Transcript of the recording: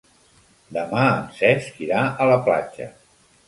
Demà en Cesc irà a la platja.